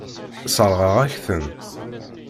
Sseṛɣeɣ-ak-ten.